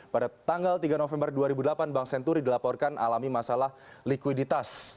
pada tanggal tiga november dua ribu delapan bank senturi dilaporkan alami masalah likuiditas